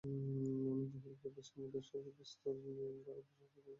মন ও বহিঃপ্রকৃতির সমুদয় বস্তু নিয়ম দ্বারা শাসিত ও নিয়ন্ত্রিত হয়।